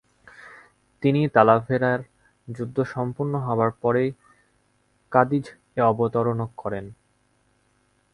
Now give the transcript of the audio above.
তিনি তালাভেরার যুদ্ধ সম্পূর্ণ হবার পরেই কাদিয এ অবতরণ করেন।